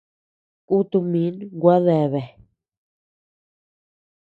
Kutu min gua deabea.